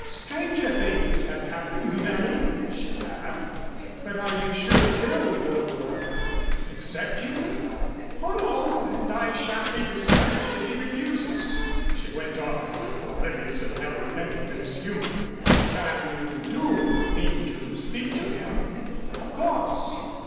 "Stranger things have happened, Nellie," she laughed. "But are you sure Phil will er accept you?" "Oh, no, and I shan't be discouraged if he refuses," she went on oblivious of Nellie Pennington's humor. "Then you do mean to speak to him?" "Of course."